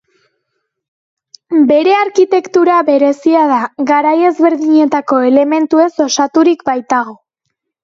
Bere arkitektura berezia da, garai ezberdinetako elementuez osaturik baitago.